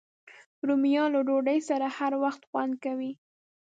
رومیان له ډوډۍ سره هر وخت خوند کوي